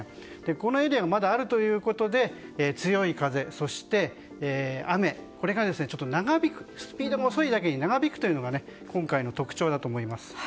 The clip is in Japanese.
このエリアがまだあるということで強い風、そして雨がスピードが遅いだけに長引くのが今回の特徴だと思います。